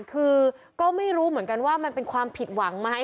คือก็ไม่รู้เหมือนกันว่ามันเป็นความผิดหวังไหม